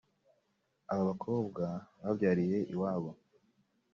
Aba bakobwa babyariye iwabo